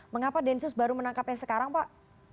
mengapa densus baru menangkapnya sekarang pak